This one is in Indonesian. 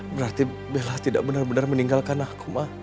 berarti bella tidak benar benar meninggalkan aku